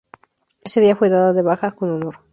Ese día, fue dada de baja con honor.